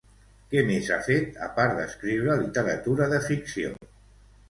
Què més ha fet a part d'escriure literatura de ficció?